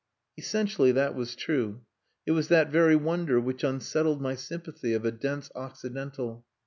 Essentially that was true. It was that very wonder which unsettled my sympathy of a dense Occidental.